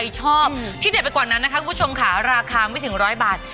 ชอบที่เด็ดไปกว่านั้นนะคะคุณผู้ชมค่ะราคาไม่ถึงร้อยบาท